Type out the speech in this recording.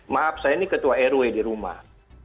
maaf saya ini ketua rw di rumah